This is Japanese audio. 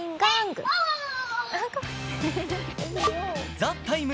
「ＴＨＥＴＩＭＥ，」